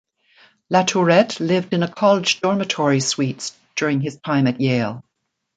Latourette lived in a college dormitory suite during his time at Yale.